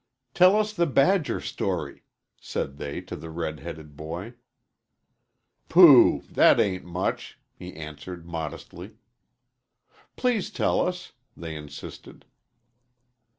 "Tell us the badger story," said they to the red headed boy. "Pooh! that ain't much," he answered, modestly. "Please tell us," they insisted.